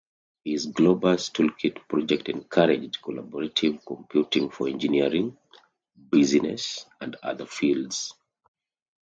His Globus Toolkit project encouraged collaborative computing for engineering, business and other fields.